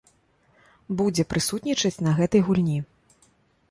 Будзе прысутнічаць на гэтай гульні.